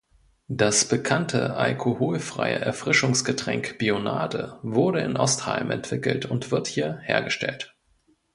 Das bekannte alkoholfreie Erfrischungsgetränk Bionade wurde in Ostheim entwickelt und wird hier hergestellt.